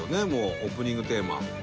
オープニングテーマ」